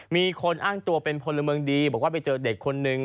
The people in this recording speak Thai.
มีคนอ้างตัวเป็นพลเมืองดีบอกว่าไปเจอเด็กคนนึง